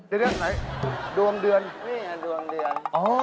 เดี๋ยวไหนดวงเดือนนี่อย่างดวงเดือน